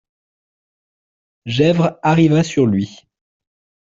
Gesvres arriva sur lui.